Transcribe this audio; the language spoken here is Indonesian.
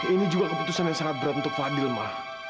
ini juga keputusan yang sangat berat untuk fadil mah